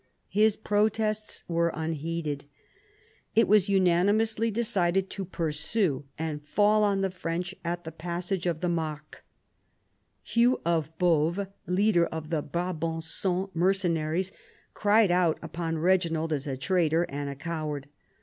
His protests were unheeded. It was unanimously decided to pursue and fall on the French at the passage of the Marcq. Hugh of Boves, leader of the Brabancon mercenaries, cried out upon Eeginald as a traitor and a coward.